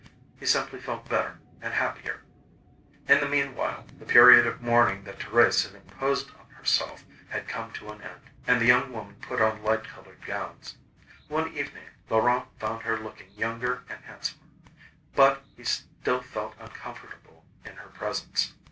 He simply felt better and happier. In the meanwhile the period of mourning that Thérèse had imposed on herself, had come to an end, and the young woman put on light coloured gowns. One evening, Laurent found her looking younger and handsomer. But he still felt uncomfortable in her presence.